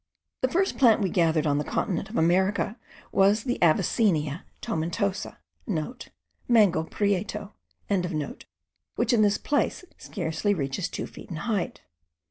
The first plant we gathered on the continent of America was the Avicennia tomentosa,8 (* Mangle prieto.) which in this place scarcely reaches two feet in height.